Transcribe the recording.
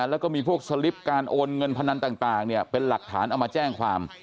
แล้วก็มีพวกสลิปการโอนเงินพนันต่างเป็นหลักฐานเอามาแจ้งความ